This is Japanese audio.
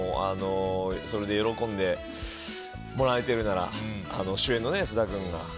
それで喜んでもらえてるなら主演の菅田君が。